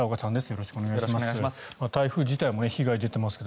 よろしくお願いします。